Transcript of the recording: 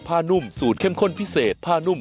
ข้าวใส่ไข่สดใหม่